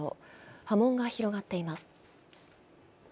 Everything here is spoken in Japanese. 波紋が広がっています。